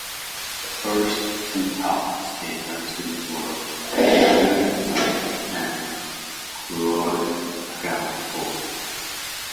The first two towns they went to were Wellington and Gulargambone.